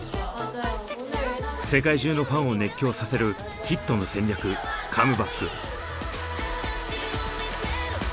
世界中のファンを熱狂させるヒットの戦略カムバック。